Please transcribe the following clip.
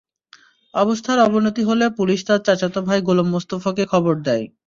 অবস্থার অবনতি হলে পুলিশ তাঁর চাচাতো ভাই গোলাম মোস্তফাকে খবর দেয়।